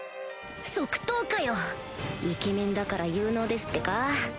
即答かよイケメンだから有能ですってか？